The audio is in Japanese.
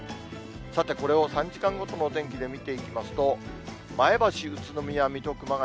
さて、これを３時間ごとのお天気で見ていきますと、前橋、宇都宮、水戸、熊谷。